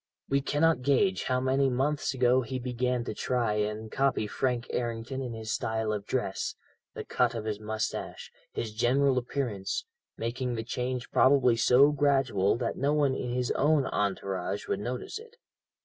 We cannot gauge how many months ago he began to try and copy Frank Errington in his style of dress, the cut of his moustache, his general appearance, making the change probably so gradual, that no one in his own entourage would notice it.